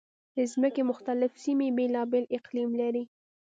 د ځمکې مختلفې سیمې بېلابېل اقلیم لري.